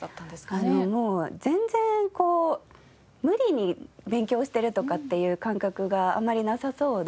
あのもう全然無理に勉強してるとかっていう感覚があんまりなさそうで。